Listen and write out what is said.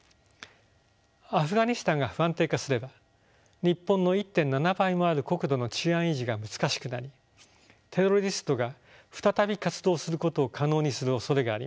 アフガニスタンが不安定化すれば日本の１．７倍もある国土の治安維持が難しくなりテロリストが再び活動することを可能にするおそれがあります。